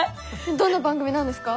どんな番組なんですか？